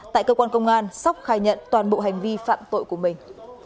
tại cơ quan công an sóc khai nhận toàn bộ hành vi phạm tội của mình